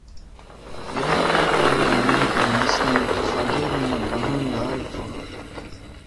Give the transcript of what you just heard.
ފިހާރައިގައި އުޅޭ މީހަކު ގެނެސްގެން ފަޤީރުންނަށް ބަހަން ލާރި ފޮނުވި